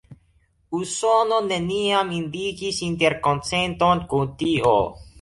Usono neniam indikis interkonsenton kun tio.